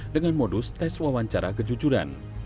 dengan modus tes wawancara kejujuran